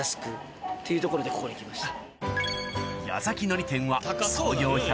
っていうところでここに来ました。